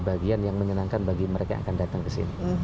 bagian yang menyenangkan bagi mereka yang akan datang ke sini